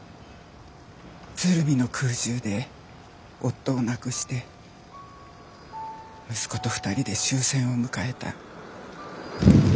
鶴見の空襲で夫を亡くして息子と２人で終戦を迎えた。